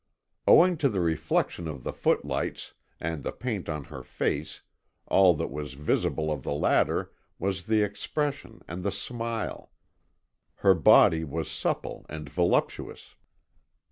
Owing to the reflection of the footlights and the paint on her face all that was visible of the latter was the expression and the smile. Her body was supple and voluptuous.